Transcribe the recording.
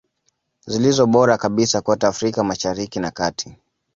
Zilizo bora kabisa kote Afrika Mashariki na kati